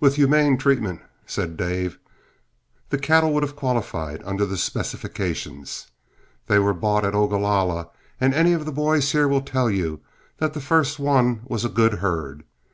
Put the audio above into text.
"With humane treatment," said Dave, "the cattle would have qualified under the specifications. They were bought at Ogalalla, and any of the boys here will tell you that the first one was a good herd.